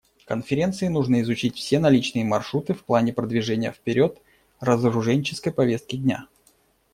Конференции нужно изучить все наличные маршруты в плане продвижения вперед разоруженческой повестки дня.